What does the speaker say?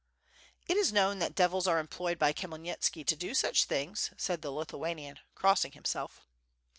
"It is known that devils are employed by Khmyelnitski to do such things," said the Lithuanian, crossing himself.